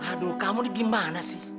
aduh kamu ini gimana sih